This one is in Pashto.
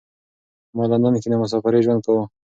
ما لندن کې د مسافرۍ ژوند کاوه.